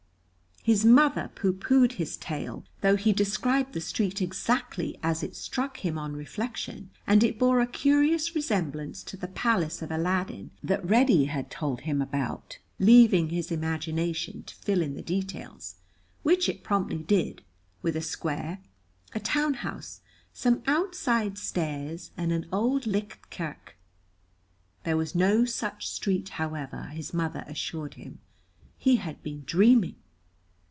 His mother pooh poohed his tale, though he described the street exactly as it struck him on reflection, and it bore a curious resemblance to the palace of Aladdin that Reddy had told him about, leaving his imagination to fill in the details, which it promptly did, with a square, a town house, some outside stairs, and an auld licht kirk. There was no such street, however, his mother assured him; he had been dreaming.